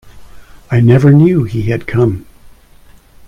I never knew he had come!